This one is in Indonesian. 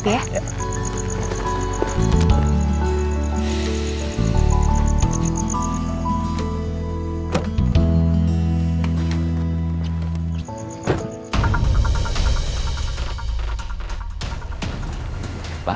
tindakan dokter belum selesai pak